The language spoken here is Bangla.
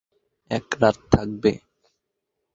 এক রাত থাকবে।